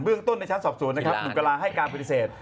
เรื่องต้นในชั้นสอบสวนนะครับหนุ่มกะลาให้การปฏิเสธ